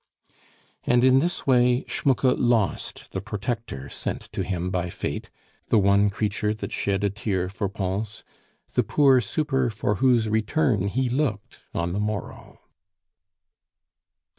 And in this way Schmucke lost the protector sent to him by fate, the one creature that shed a tear for Pons, the poor super for whose return he looked on the morrow.